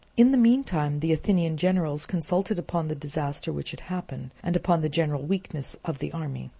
In the meantime the Athenian generals consulted upon the disaster which had happened, and upon the general weakness of the army.